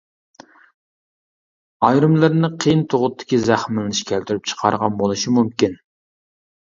ئايرىملىرىنى قىيىن تۇغۇتتىكى زەخىملىنىش كەلتۈرۈپ چىقارغان بولۇشى مۇمكىن.